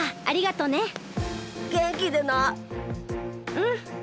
うん！